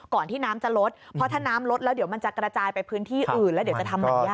ที่น้ำจะลดเพราะถ้าน้ำลดแล้วเดี๋ยวมันจะกระจายไปพื้นที่อื่นแล้วเดี๋ยวจะทำแบบนี้